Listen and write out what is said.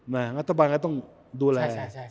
งัฐบาลต้องดูแล